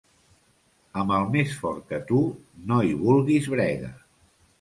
Amb el més fort que tu, no hi vulguis brega.